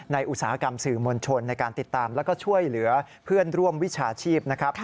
อุตสาหกรรมสื่อมวลชนในการติดตามแล้วก็ช่วยเหลือเพื่อนร่วมวิชาชีพนะครับ